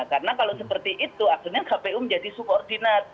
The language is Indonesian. karena kalau seperti itu akhirnya kpu menjadi sukoordinat